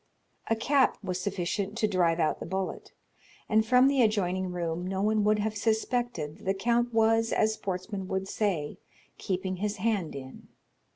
A cap was sufficient to drive out the bullet, and from the adjoining room no one would have suspected that the count was, as sportsmen would say, keeping his hand in.